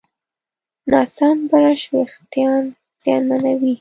ناسم برش وېښتيان زیانمنوي.